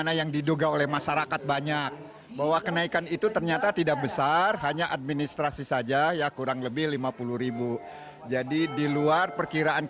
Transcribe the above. tapi yang jelas bahwa pribadi itu ngurus sendiri juga harus diutamakan